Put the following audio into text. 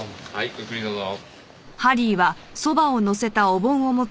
ごゆっくりどうぞ。